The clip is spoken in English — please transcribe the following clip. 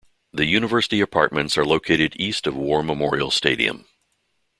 The University Apartments are located east of War Memorial Stadium.